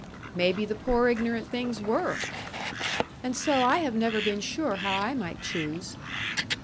"Maybe the poor ignorant things were!" "And so I have never been sure how I might choose."